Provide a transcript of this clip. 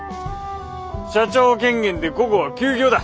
社長権限で午後は休業だ！